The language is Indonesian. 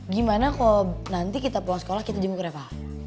gimana kalau nanti kita pulang sekolah kita jemput ke reva